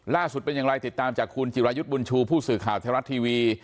เป็นอย่างไรติดตามจากคุณจิรายุทธ์บุญชูผู้สื่อข่าวไทยรัฐทีวี